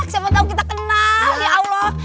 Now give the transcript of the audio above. siapa tahu kita kenal ya allah